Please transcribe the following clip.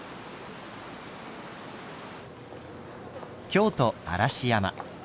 京都・嵐山。